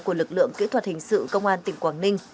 của lực lượng kỹ thuật hình sự công an tỉnh quảng ninh